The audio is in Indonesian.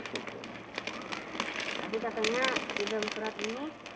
bukatanya hidup yang surat ini